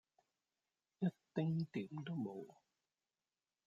一丁點都無